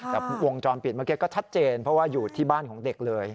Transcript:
แต่วงจรปิดเมื่อกี้ก็ชัดเจนเพราะว่าอยู่ที่บ้านของเด็กเลย